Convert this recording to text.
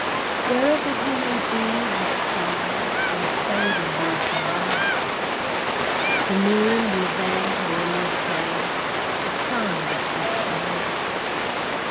Wherever he may be, the stars Must daily lose their light; The moon will veil her in the shade; The sun will set at night.